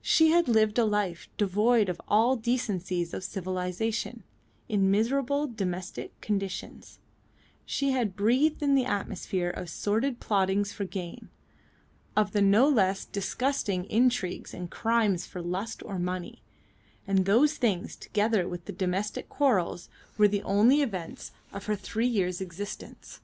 She had lived a life devoid of all the decencies of civilisation, in miserable domestic conditions; she had breathed in the atmosphere of sordid plottings for gain, of the no less disgusting intrigues and crimes for lust or money; and those things, together with the domestic quarrels, were the only events of her three years' existence.